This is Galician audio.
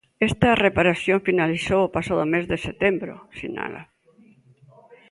"Esta reparación finalizou o pasado mes de setembro", sinala.